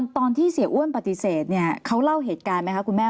ตอนที่เสียอ้วนปฏิเสธเขาเล่าเหตุการณ์ไหมคะคุณแม่